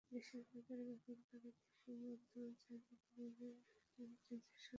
দেশের বাজারে ব্যবহারকারীদের ক্রমবর্ধমান চাহিদা পূরণে ওয়েস্টার্ন ডিজিটালের সঙ্গে চুক্তি করা হয়েছে।